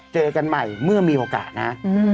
เจอกันใหม่เมื่อมีโอกาสนะ